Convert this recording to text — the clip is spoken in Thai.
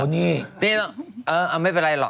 นี่เอามันไม่เป็นไรเหรอ